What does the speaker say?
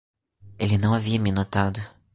Ele não havia me notado.